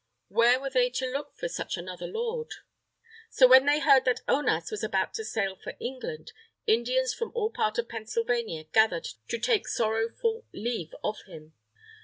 Where were they to look for such another lord? So when they heard that Onas was about to sail for England, Indians from all parts of Pennsylvania gathered to take sorrowful leave of him.